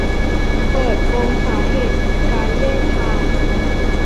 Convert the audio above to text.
เปิดปมสาเหตุการแยกทาง